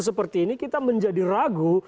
seperti ini kita menjadi ragu